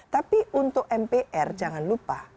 tapi untuk mpr jangan lupa